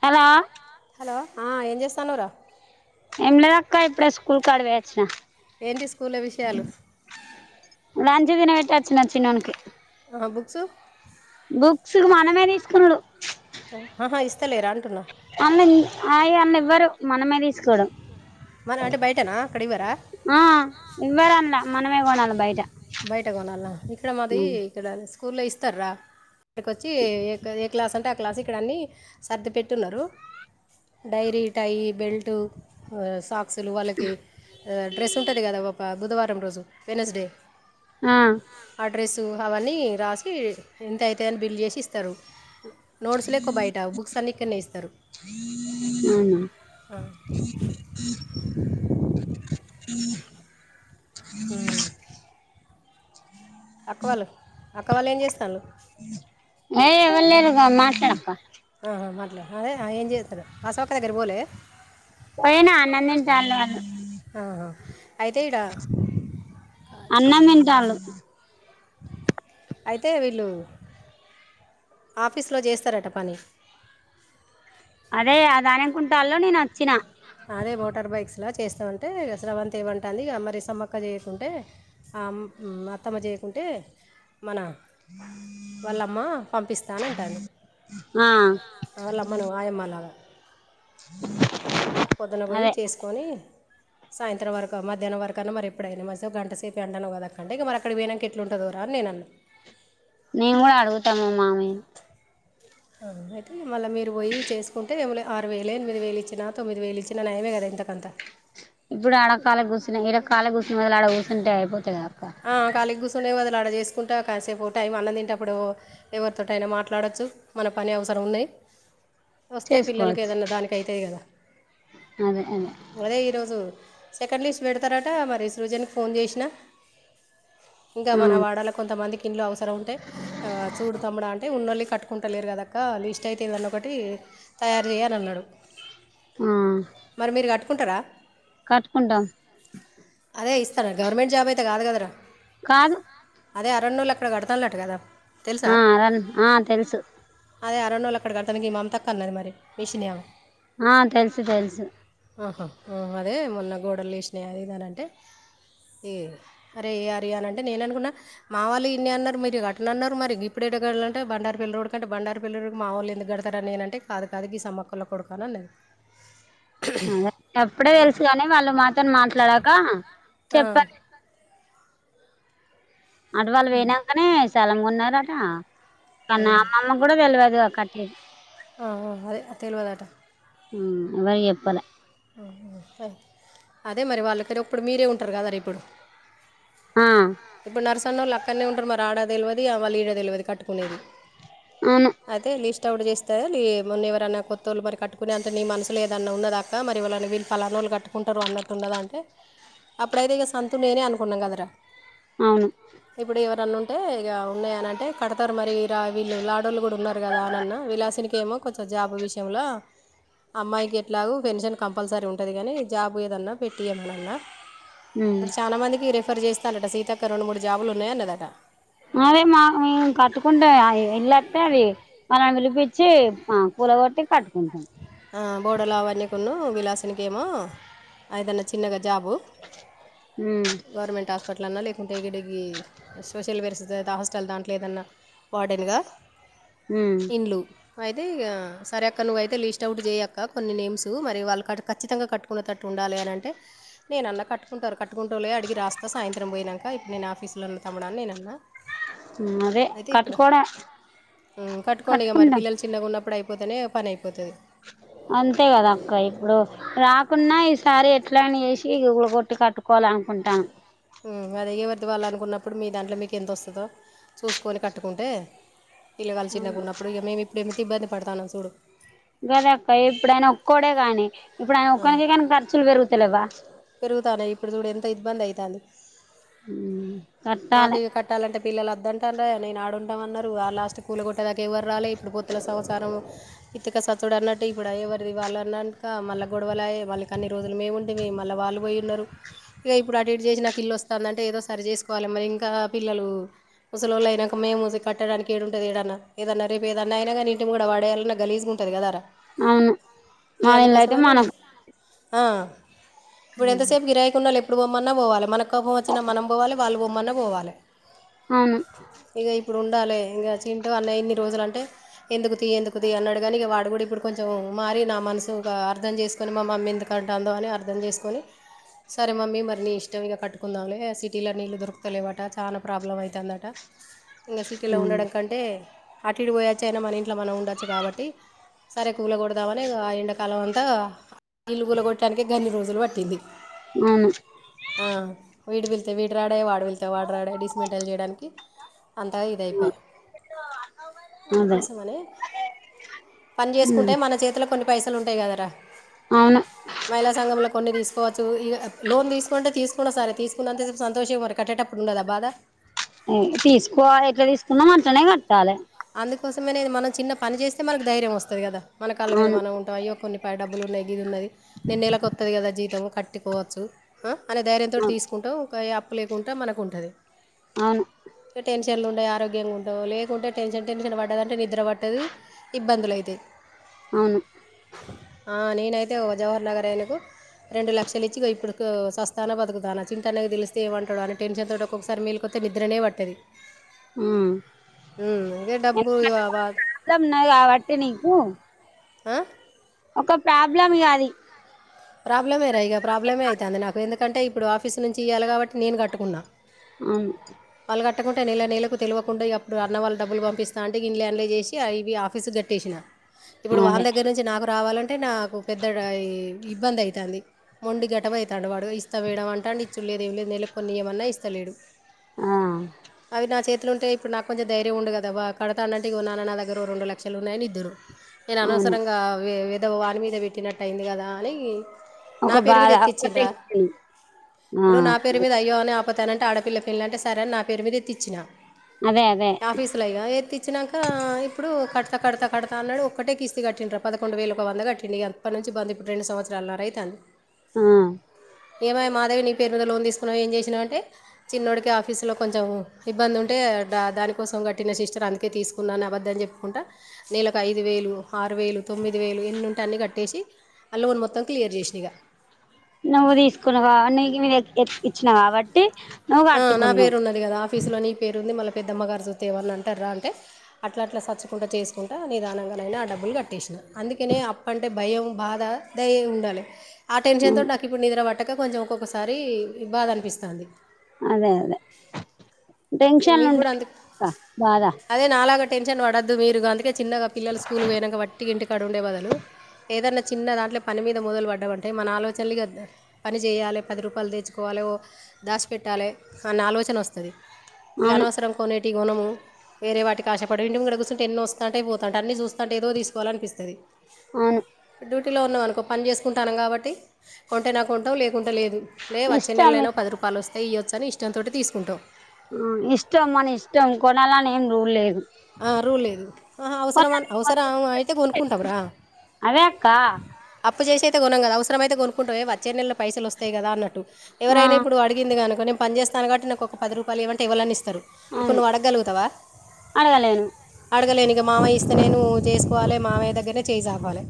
Hello ఆ ఏం జేస్తాన్నావ్ రా ఏంలేద్ అక్క ఇప్పుడే స్కూల్ కాడిక్ పోయొచ్చిన ఏంటి స్కూల విషయాలు లంచ్ తిన వెట్టొచ్చిన చిన్నోన్కి ఆ బుక్సు బుక్స్ కు మనమే తీస్కునుడు ఆహా ఇస్తలేరా అంటున్న అన్న ఆయ అన్న ఇవ్వరు మనమే తీస్కోడం మనం అంటే బైట నా అక్కడ్ ఇవ్వరా ఆ ఇవ్వరన్ల మనమే కొనాలి బయట బయట కొనాలా ఇక్కడ మాది ఇక్కడ స్కూల్లో ఇస్తార్రా ఇక్కడికొచ్చి ఏ క్లాస్ అంటే ఆ క్లాస్ ఇక్కడ అన్ని సర్ది పెట్టున్నారు డైరీ టై బెల్టు ఆ సాక్సులు వాళ్ళకి ఆ డ్రెస్ ఉంటది కదా ఒక బుధవారం రోజు వెడ్నెస్ డే ఆ అడ్రస్సు అవన్నీ రాసి ఎంత అైతే అని బిల్ చేసి ఇస్తారు నోట్స్ లే [unintelligible] బయట బుక్స్ అన్ని ఇక్కడ నే ఇస్తారు హ హ ఉ అక్క వాళ్ళు అక్క వాళ్ళు ఏం [unintelligible] ఏ ఇవ్వలు లేరు ఇగో మాట్లాడు అక్క హ మాట్లేదు అదే ఏం చేస్తారు అశోక దగ్గర పోలే పోయినా అన్నం [unintelligible] ఆహా అయితే ఇడ అన్నం తింటాడు అయితే వీళ్ళు ఆఫీస్లో చేస్తారట పని అదే అది అనుకుంటాలు [unintelligible] నేను వచ్చిన అదే మోటార్ బైక్స్లా చేస్తామంటే స్రవంతి ఏమంటది ఇగ మరి సమ్మక్క చేయకుంటే మా అత్తమ్మ చేయకుంటే మన వాళ్ళ అమ్మ పంపిస్థానంటుంది ఆ ఆలమ్మను ఆయమ్మ లాగ పొద్దున పోయి అదే చేసుకొని సాయంత్రం వరకు మధనం వరకున్నా మరి ఎప్పుడైనా మ గంటసేపు ఎంనువు కద అండి ఇ మ అక్కడికి పోయనాక ఎట్లుంటదొ రా అని నేను అన్నా నేను కూడ అడుగుత మామయ్య నీ అయితే మళ్ళీ మీరు పోయి చేసుకుంటే ఏ ఆరు వేలే ఎనిమిది వేలు ఇచ్చిన తొమ్మిది వేలు ఇచ్ నయమే కదా ఎంత కాంత ఇప్పుడు ఆడ కాలిగ గుస్సనే ఇడ కాలిగా కుసునే బాధలు ఆడ కూసుంటే అయిపోతది కదా అక్క కళీకి కూర్చునే బాధలు ఆడ చేసుకుంటా కాసేపు టైం అన్నది తింటేప్పుడు ఎవరితోటి అయిన మాట్లాడచ్చు మన పని అవసరం ఉన్నాయి వస్తే పిల్లలకి చేసుకోవచ్చు ఏదన్నా దానికి అయితాయ్ కదా అదే ఈరోజు సెకండ్ లిస్ట్ పెడతారట మరి సృజన్ కి ఫోన్ చేసిన ఇంకా ఆ మన వాడలో కొంతమందికి ఇండ్లు అవసరం ఉంటే చూడు తమ్ము అంటే ఉన్నళ్ళి కట్టుకుంట కుంట లేరు కదాక్క లిస్ట్ అయితే ఇదన్న ఒకటి తయారు చేయాలి అన్నాడు ఆ మరి మీరు కట్టుకుంటారా కట్టుకుంటాం అదే ఇస్త [unintelligible] గవర్నమెంట్ జాబ్ ఐతే కాదు కదరా కాదు అదే అరణోళ్ళు అక్కడ కడతునున్నట్టు కదా తెలుసా ఆ అద ఆ తెలుసు అదే అరణోళ్ళ అక్కడ కడతానికి ఈ మా [unintelligible] అన్నది మరి మీషినయామా ఆ తెల్సు తెల్సు ఆహా అదే మొన్న గోడలు లేసినాయి అది ఇదని అంటే ఇ అరే అరే అనీ అంటే నేను అనుకున్నా మా వాళ్ళ ఇన్నె అన్నారు మీరు కట్నన్నారు మరి గీప్పుడు ఎడ గడ అంటె బండారపల్లిరోడ్ బండారిపల్లిరోడ్ కి మా వోళ్ళు ఎందుకు కడ్ [unintelligible] నేనంటే కాదు కాదు ఈ సమ్మక్కల్లో కొడుకు అని అన్నది అదే అప్పుడే తెలుసుగాని వాళ్ళు మాతోని మాట్లాడాక ఆ, చెప్పం అట్వాళ్ళు పోయినంకనే స్థలం కోన్నారట ఆ, కానీ ఆమ్మమ్మ కూడా తెలవదు కట్టేట్ది ఆ అదే తెలవదట ఉమ్ ఎవర్కి చెప్పలే అదే మరి వాళ్ళకెర ఇప్పుడు మీరే ఉంటరు కదా ర ఇప్పుడు హా ఇప్పుడు నరసన్న ఓళ్ళు అక్కన్నే ఉంటరు మరి ఆడ తెలవది మళ్ళ ఈడది తెలవది కట్టుకునేది అవును అయితే లిస్ట్ ఔట్ చేస్తే లే మొన్న ఎవరనా కొత్తోళ్ళు మరి కట్టుకునే అంత నీ మనసులో ఏదన్నా ఉన్నదా మరి ఏవలన్న వీళ్ళు పలానోళ్లు కట్టుకుంటరు అన్నట్టున్నద అంటే అప్పుడైతే ఇగ సంతు నేనే అనుకున్నాం కదరా అవును ఇప్పుడు ఎవరన్న ఉంటే ఇగ ఉన్నాయ అని అంటే కడతరు మరీ వీళ్ళు లాడోళ్లు కూడా ఉన్నారు కదా అని అన్న విలాసునికేమో కొంచెం జాబ్ విషయంల అమ్మాయికి ఎట్లాగో పెన్షన్ కంపల్సరీ ఉంటది కనీ జాబ్ ఏదన్నా పెట్టియమన హ్మ్. ఇప్పుడు చానా మందికి రిఫర్ చేస్తాండట సీతక్క రెండు మూడు జాబులు ఉన్నయి అన్నదట అదే మా మేము కట్టుకుంటే అ ఎల్లత్తే అది మనల్ని పిలిపించి మ కూలగొట్టి కట్టుకుంటం ఆ బోడలావన్యకును విలాసునికేమో ఆ ఏదన్న చిన్నగ జాబు హ్మ్. గవర్నమెంట్ హాస్పిటల్నాన్నా లేకుంటే ఎడిగ్రీ సోషల్ వెల్ఫేర్హాస్స్టల్ దాంట్ల ఏదన్న వార్డెన్గా ఉ ఇండ్లు అయితే ఇగ సరే అక్క నువ్వయితే లిస్ట్ ఔట్ చేయక్క కొన్ని నేమ్స్ మరి వాళ్ళ కాడా ఖచ్చితంగా కట్టుకునేటట్టు ఉండాలి అని అంటే నేనన్న కట్టు ఉంటారు కటుకుంటులేయే అడిగి రాస్తా సాయంత్రం పోయినంక ఇప్పుడు నేను ఆఫీస్ లున్న తమ్ముడాని నేనన్న హ్మ్. అదే అయితే ఇప్పుడ కట్టుకోవడం కట్టుకోండిగా మరి కట్టుకుంటాం పిల్లలు చిన్నగ ఉన్నప్పుడు అయిపోతేనే ఓ పనయిపోతది అంతేగదా అక్క ఇప్పుడు రాకున్నా ఈసారి ఎట్ల అయిన చేసి ఇల్లు గులకట్టి కట్టుకోవాలనుకుంటానం అదే ఎవరిది వాళ్ళ అనుకున్నప్పుడు మీ దాంట్లో మీకు ఎంత వస్తదో చూసుకొని కట్టుకుంటే పిల్లగాళ్ళు అవును చిన్నగా ఉన్నప్పుడు ఇగ మేము ఇప్పుడు ఏంత ఇబ్బంది పడతాన్నం చూడు గదే అక్క ఇప్పుడు ఆయన ఒక్కోడే గానీ ఇప్పుడు ఆయన ఒక్కనికైన కానీ ఖర్చులు పెరుగుతలేవా పెరుగుతాన్నయి ఇప్పుడు చూడు ఎంత ఇబ్బంది అయితాంది ఊ కట్టాలే కట్టాలంటే పిల్లలద్దంటారాయే నేను ఆడుంటాం అన్నారు ఆ లాస్ట్కి కూల కొట్టే దాక ఎవరు రాలే ఇప్పుడు పొత్తుల సంసారం ఇతుక ఇప్పుడు అన్నట్టు ఇప్పుడు అయ్యవారి వాళ్ళ అన్నాంక మళ్ళ గొడవలాయే మళ్ళీ కన్ని రోజులు మేము ఉంటిమి మళ్ళీ వాళ్ళు పోయి ఉన్నరు నువ్వే ఇప్పుడు అటు ఇటు చేసి నాకు ఇల్లు వస్తందంటే ఏదో సరి చేసుకోవాలి మరి ఇంకా పిల్లలు ముసలలోళ్ళ అయినంక మేము కట్టడానికి ఏడుంటది ఏడన్నా ఏదన్నా రేపు ఏదన్నా అయినా గానీ ఇంటి ముంగడ పడేయ్యాలన్నా గలీజుకుం టదిగదారా అవును మా ఇళ్లయితే మనం ఆ ఇప్పుడు ఎంతసేపు గిరాయికి ఉంన్నోళ్లు ఎప్పుడు పొమ్మన్నా పోవాలి మనకు కోపం వచ్చిన మనం పోవాలి వాళ్లు పొమ్మన్నా పోవాలి అవును ఇగ ఇప్పుడుండాలె ఇంగ చింటూ అన్న ఎన్ని రోజులంటే ఎందుకు తీ ఎందుకు తీ అన్నాడుగానీ ఇగ వాడు కూడా ఇప్పుడు కొంచెం మారి నా మనసు గ అర్థం చేసు మా మమ్మెందుకంటాందో అని అర్థం చేసుకొని సరే మమ్మీ మరి నీ ఇష్టం ఇగ కట్టుకుందాంలే సిటీల నీళ్ళు దొరుకుతలేవట చానా ప్రాబ్లం అయితాందట ఇంగ సిటీలో ఉండడం కంటే అటి ఇటు బొయొచ్చైనా మన ఇంట్లో మనం ఉండొచ్చు గాబట్టి సరే కూల గొడదామని ఆ ఎండాకాలం అంతా ఇల్లు కూల కొట్టానికి గన్ని రోజులు పట్టింది అవును ఆ వీడు వెళ్తే వీడు రాడే వాడు వెళ్తే వాడు రాడే డిస్మెంటిల్ జెయడానికి అంత ఇదైపే అదే అందుకోసమనే పని చేసుకుంటే ఉమ్, మన చేతులకు కొన్ని పైసలుంటయి గదరా అవును మహిళా సంఘంలో కొన్ని దీసుకోవచ్చు ఇగ లోన్ తీసుకుంటే తీసుకున్నా సరే తీ కున్నంతసేప్ సంతోషంవర కట్టేటప్పుడుండద బాధ తీసుకోవాలెట్ల తీసుకున్నం అట్లనే గట్టాలె అందుకోసమనేది మనం చిన్న పని చేస్తే మనకు ధైర్యం వస్తది గదా మన కళ్ళ మీద అవును మనం ఉంటం అయ్యో కొన్ని డబ్బులున్నయి గిదున్నది నన్నెలకత్తుది గదా జీతం కట్టుకోవచ్చు అనే ధైర్యంతోటి అవును తీసుకుంటావ్ ఒక అప్పు లేకుంటా మనకు ఉంటుంది అవును ఇంక టెన్షన్లు ఉండే ఆరోగ్యంగా ఉండవు లేకుంటే టెన్షన్ టెన్షన్ బడ్డదంటే నిద్ర పట్టదు ఇబ్బందులైతయ్ అవును ఆ నేనైతే ఒ జవహర్ నగర్ అయనకు రెండు లక్షలు ఇచ్చి గో ఇప్పుడు సస్తాన బతుకుతానా చింతనైగి తెలిస్తే ఏమంటాడో అని టెన్షన్ తోటి ఒక్కొకసారి మేలుకో నిద్రనే పట్టది హ్మ్ హ్మ్ డబ్బు అవా న గాబట్టి నీకు ఆ ఒక ప్రాబ్లం ఇగ అది ప్రాబ్లమే రా ఇగా ప్రాబ్లమే అయితాంది నాకు ఎందుకంటే ఇప్పుడు ఆఫీస్ నుంచి ఇయ్యాల గాబట్టి నేను కట్టుకున్నా అవును వాళ్ళ గట్టకుంటే నెల నెలకు తెల్వకుండా ఇగ అప్పుడు అన్న వాళ్ళు డబ్బులు పంపిస్తాంటే గిన్లే అన్లే చేసి ఇవి ఆఫీస్ ట్టేసిన ఇప్పుడు అదే వాని దగ్గర నుంచి నాకు రావాలంటే నాకు పెద్ద ఇబ్బంది అయితాంది మొండి గటమైతాండు వాడు ఇస్త మేడం అంటాడు ఇచ్చుడు లేదు ఏం లేదు నెలకొన్ని ఇయమన్నా ఇస్తలేడు ఆ అవి నా చేతులో ఉంటే ఇప్పుడు నాకు కొంచెం ధైర్యం ఉండు కద బ కడ అన్నంటిగో నాన్న నా దగ్గరో రొండు లక్షలు ఉన్నయని ఇద్దురు నేను అవును అనవసరంగా వే వాని మీద బెట్టినట్టు అయింది గదా అని నా ఒక పేరు బాధ మీద ఒక్కటే ఎత్తిచింరా గుర్తు. ఆ ఇప్పుడు నా పేరు మీద అయ్యో అనే పతానంటే ఆడపిల్ల పెళ్లంటే సరే అనా పేరు మీద ఎత్తిచ్చినా అదే అదే ఆఫీస్లో ఇగ ఎత్తిచ్చినాక ఇప్పుడు కడతా కడతా కడతా అన్నాడు ఒక్కటే కిస్తీ కట్టిన్రప్పు పదకొండు వేలు ఒక వంద గట్టిండు ఇగ అప్పటి నుంచి బంద్ ఇప్పుడు రెండు సంవత్సరాలున్న ఐతాంది ఆ ఏమే మాధవి నీ పేరు మీద లోన్ తీసుకున్నావు ఏం చేసినావ్ అంటే చిన్నోడికి ఆఫీస్లో కొంచెం ఇబ్బంది ఉంటే డా దానికోసం కట్టిన సిస్టర్ అందుకే తీసుకున్నాను అని అబద్దం చెప్ కుంటా నెలకు ఐదు వేలు ఆరు వేలు తొమ్మిది వేలు ఎన్నుంటే అన్నీ కట్టేసి ఆ లోన్ మొత్తం చేసిన ఇగ నువ్వు తీసుకున్నావ నీకు నేను ఇచ్చిన కాబట్టి నువ్వు ఆ నా కట్టుకున్నావు పేరు ఉన్నది కదా ఆఫీస్లో నీ పేరు ఉంది మళ్ళ పెద్దమ్మ గారు చుతే ఏమన్నా అంటార్రా అంటే అట్లా అట్లా సచ్చుకుంట చేసుకుంటా నిదానంగానైనా ఆ డబ్బులు కట్టేసిన అందుకనే అంటే భయం బాధ దయ ఉండాలే ఆ టెన్షన్ అవును తో నాకు ఇప్పుడు నిద్ర పట్టక కొంచెం ఒక్కొక్కసారి బాధ అనిపిస్తంది అదే అదే టెన్షన్లు మీకు కూడా ఉంటాయి అందు కా బాధ అదే నాలాగా టెన్షన్ పడద్దు మీరు అందుకే చిన్నగా పిల్లలు స్కూల్ పోయినంక వట్టి గా ఇంటికాడ ఉండే బదలు ఏదన్నా చిన్న దాంట్లో పని మీద మొదలుపడ్డమంటే మన ఆలోచనలు ఇగ పని చేయాలే పది రూపాయలు తెచ్చుకోవాలే ఓ దాసి పెట్టాలే అన్న ఆలోచన వస్తది ఇగా అవును అనవసరం కొనేటి కొనము వేరే వాటి ఆశపడి ఇంటిముంగట కుసుంటే ఎన్నో వస్తుంటాయి పోతంటాయి అన్ని చూస్తంటే ఏదో తీసుకోవాలీ అనిపిస్తది అవును డ్యూటీలో ఉన్నాం అనుకో పని చేసుకుంటాం కాబట్టి కొంటేనో కొంటాం లేకుంటే లేదు లే వచ్చే ఇష్టం నెలలైనా ఇక పది రూపాయలు వస్తాయి ఇయ్యాచు అనీ ఇష్టంతోటి తీసుకుంటవు ఆ ఇష్టం మన ఇష్టం కొనాలని ఏం రూల్ లేదు ఆ రోల్ లేదు ఆహా అవసరం కొనాలి, కొనుక్కుంటే అవసరమైతే కొనుకుంటాం రా అదే అక్క అప్పు చేసి ఐతే కొనం కద అవసరమయితే కోనుకుంటం వచ్చే నెల పైసలువస్తాయి కదా అన్నట్టు ఆ ఎవరైనా ఇప్పుడు అడిగింది కనుకో నేను పని చేస్తాన కాబట్టి నాకు ఒక పది రూపాయలు ఇయ్యామంటే ఎవరన్నా ఇస్తరు ఇప్పుడు అవును నువ్వు అడగలుగుతవ అడగలేను అడగలేను ఇగ మామయ్య ఇస్తే నేను చేసుకోవాలి మామయ్య దగ్గరనే చేయిచాపాలే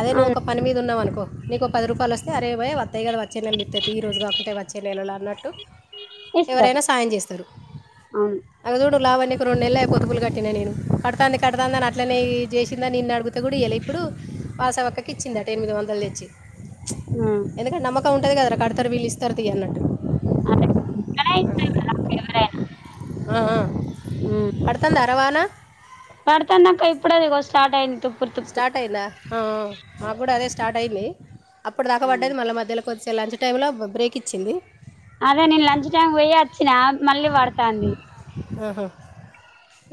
అదే నువ్ అవును ఒక పని మీద ఉన్నవు అనుకో నీకో పది రూపాయలు వస్తే అరెబై వత్తాయి కదా వ చ్చే నెల ఇత్తతియి ఈ రోజు కాకుంటే వచ్చే నెలలో అన్నట్టు ఇస్తారు ఎవరైన సాయం చేస్తరు అవును అగ చూడు లావణ్య కు రెండు నెలలయే పొదుపులు కట్టి ట్టిన నేను కడతంది కడతందని అట్లనే చేసింది అని నిన్ను అడుగుతే కూడా ఇయ్యాలే ఇప్పుడు వాసవి అక్కకు ఇచ్చిందట ఎనిమిది వందలు తెచ్చి ఆ ఎందుంటే నమ్మకం ఉంటది కదరా కడతరు వీళ్ళు ఇస్తారు తీయి అన్నట్టు అదే [unintelligible] అ ఆ పడుతందరా వాన పడుతంది అక్క ఇప్పుడే ఇగో స్టార్ట్ అయింది తుప్పు స్టార్ట్ అయిందా ఆ ఆ మా కూడా అదే స్టార్ట్ అయింది అప్పుడు దాకా పడ్డది మళ్ళీ మధ్యల కొద్దిసే లంచ్ టైమ్ లో బ్రేక్ ఇచ్చింది అదే నేను లంచ్ టైం పోయి వచ్చిన మళ్ళీ పడతాంది ఆహా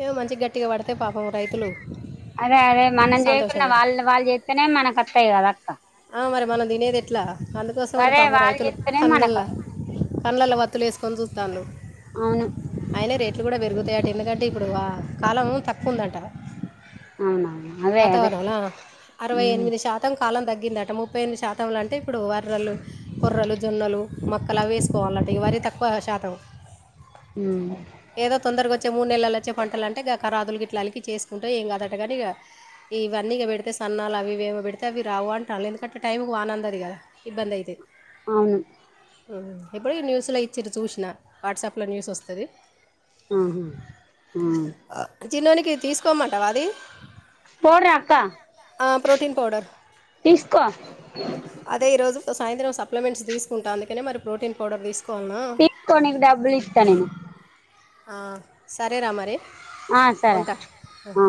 ఏమో మంచి గట్టిగా పడితే పాపం రైతులు అదే అదే మనం చేయకున్న సంతోషంగా వాళ్ళు వాళ్ళు చేస్తేనే మనకు వత్తయి కదా అక్క ఆ మరి మనం తినేది ఎట్లా అందుకోసం అని అదే పాపం వాళ్ళు రైతులు చేస్తేనే కన్లల్ల మనకు కండ్లల్ల వత్తులు వేసుకొని చుత్తాలు అవును అయిన రేట్లు కూడా పెరుగుతాయట ఎందుకంటే ఇప్పుడు కాలం తక్కువ ఉందంట అవున వాతావరణంలా అరవైఎనిమిది శాతం. మొత్తం కాలం తగ్గిందట ముప్పై ఎనిమిది శాతంలో అంటే ఇప్పుడు యర్రలు కొర్రలు జొన్నలు మొక్కలు వేసుకోవాలంట ఇవ్వని తక్కువ శాతం హు ఏదో తొందరగా వచ్చే మూడు నెలలు వచ్చే పంటలు అంటే గ రాదులు గ ఇట్లాలకి చేసుకుంటే ఏం కాదుదటటుగానీ ఇవన్నీక పెడితే సన్నాలు అవివిమో పెడితే అవి రావు అంటారు ఎందుకంటే టైంకి వానందిది కదా ఇబ్బంది అయితే అవును ఎప్పుడో ఈ న్యూస్లో ఇచ్చారు చూసినా వాట్సాప్లో న్యూస్ వొస్తది మ్ హు ఆ చిన్నోడికే తీసుకోమంటావా అది తోడురా అక్క ఆ, ప్రోటీన్ పౌడర్ తీసుకో అదే ఈరోజు సాయంత్రం సప్లిమెంట్స్ తీసుంటా అందుకనే మరీ ప్రోటీన్ పౌడర్ తీసుకు తీసుకో నీకు డబ్బులు ఇస్తా నేను ఆ సరే రా మరి ఆ సరే ఉంటా హా